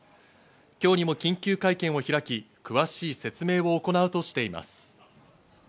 今日にも緊急会見を開き、詳しい説明を行うとしています。